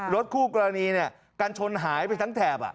รถคู่กรณีเนี่ยกันชนหายไปทั้งที่แทบ